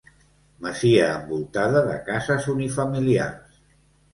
Masia envoltada de cases unifamiliars.